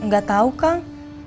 gak tau kang